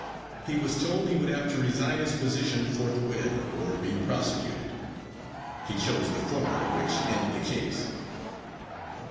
He was told he would have to resign his position forthwith or be prosecuted. He chose the former, which ended the case.